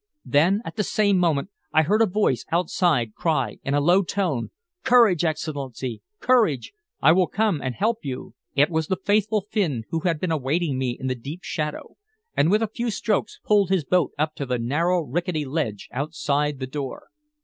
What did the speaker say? Then at the same moment I heard a voice outside cry in a low tone: "Courage, Excellency! Courage! I will come and help you." It was the faithful Finn, who had been awaiting me in the deep shadow, and with a few strokes pulled his boat up to the narrow rickety ledge outside the door.